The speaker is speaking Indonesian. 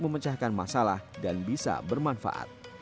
memecahkan masalah dan bisa bermanfaat